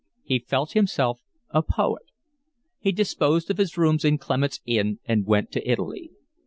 He felt himself a poet. He disposed of his rooms in Clement's Inn and went to Italy.